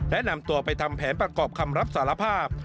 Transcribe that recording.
และนำตัวไปทำแผนประกอบคำรับสารภาพ